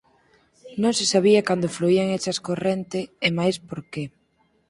Non se sabía cando fluían esas corrente e máis por que.